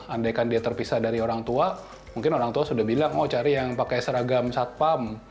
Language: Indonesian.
andaikan dia terpisah dari orang tua mungkin orang tua sudah bilang oh cari yang pakai seragam satpam